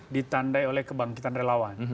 ditandai oleh kebangkitan relawan